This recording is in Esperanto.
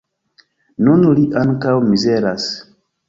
Nun li ankaŭ mizeras.